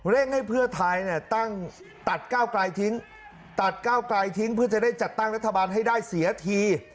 ให้เพื่อไทยตั้งตัดก้าวไกลทิ้งตัดก้าวไกลทิ้งเพื่อจะได้จัดตั้งรัฐบาลให้ได้เสียที